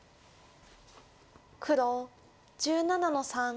黒１７の三ノビ。